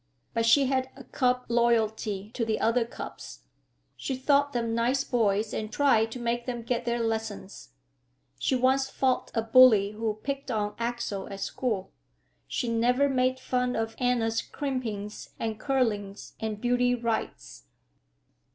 But she had a cub loyalty to the other cubs. She thought them nice boys and tried to make them get their lessons. She once fought a bully who "picked on" Axel at school. She never made fun of Anna's crimpings and curlings and beauty rites.